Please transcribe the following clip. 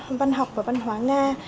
của nền văn học và văn hóa nga